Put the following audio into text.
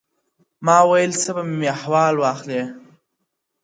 ما ويل څه به مي احوال واخلي’